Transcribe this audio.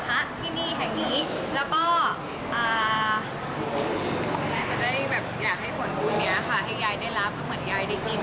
ให้ยายได้รับกางบรรยายได้กินด้วย